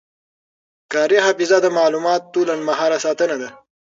کاري حافظه د معلوماتو لنډمهاله ساتنه ده.